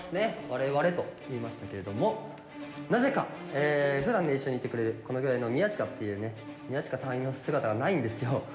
「我々」と言いましたけれどもなぜかふだん一緒にいてくれるこのぐらいの宮近っていうね宮近隊員の姿がないんですよ。